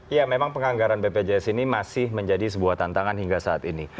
ya memang penganggaran bpjs ini masih menjadi sebuah tantangan hingga saat ini